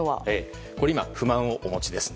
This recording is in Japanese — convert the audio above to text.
今、不満をお持ちですね。